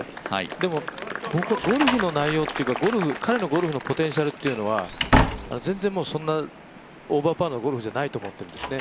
でも、ゴルフの内容というか、彼のゴルフのポテンシャルというのは全然オーバーパーのゴルフじゃないと思ってるんです。